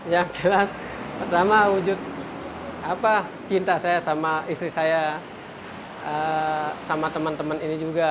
yang jelas pertama wujud cinta saya sama istri saya sama teman teman ini juga